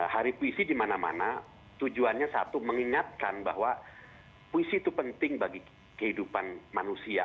hari puisi di mana mana tujuannya satu mengingatkan bahwa puisi itu penting bagi kehidupan manusia